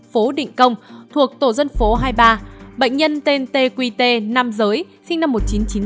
phố định công thuộc tổ dân phố hai mươi ba bệnh nhân tên t q t nam giới sinh năm một nghìn chín trăm chín mươi sáu